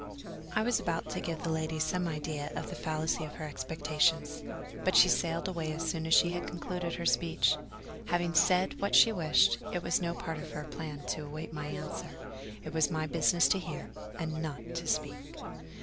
I was about to give the lady some idea of the fallacy of her expectations; but she sailed away as soon as she had concluded her speech. Having said what she wished, it was no part of her plan to await my answer: it was my business to hear, and not to speak.